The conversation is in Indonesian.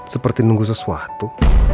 seperti nunggu sesuatu